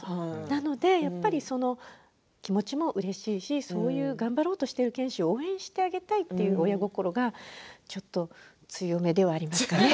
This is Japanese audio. なので、やっぱりその気持ちもうれしいしそういう頑張ろうとしている賢秀を応援してあげたいっていう親心がちょっと強めではありますかね。